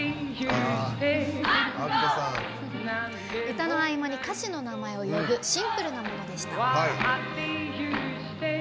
歌の合間に歌手の名前を呼ぶシンプルなものでした。